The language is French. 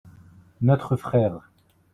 notre frère.